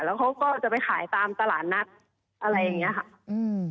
แล้วเขาก็จะไปขายตามตลาดนัดอะไรอย่างนี้ค่ะอืม